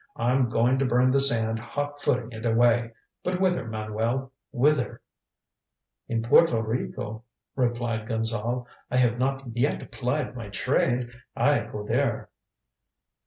I'm going to burn the sand hot footing it away. But whither, Manuel, whither?" "In Porto Rico," replied Gonzale, "I have not yet plied my trade. I go there."